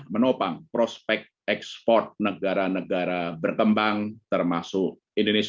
menopang prospek ekspor negara negara berkembang termasuk indonesia